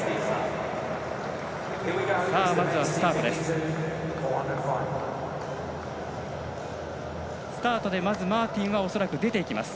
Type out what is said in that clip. まずはスタートです。